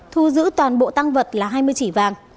thu giữ toàn bộ tăng vật là hai mươi chỉ vàng